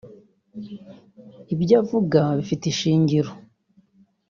Ibyo uvuga bifite ishingiro